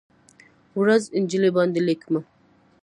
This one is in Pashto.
ورځ، نجلۍ باندې لیکمه